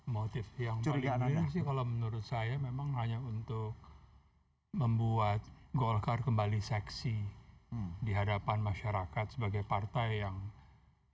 motif yang paling benar sih kalau menurut saya memang hanya untuk membuat golkar kembali seksi di hadapan masyarakat sebagai partai yang